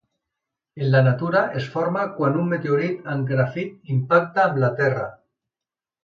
En la natura, es forma quan un meteorit amb grafit impacta amb la Terra.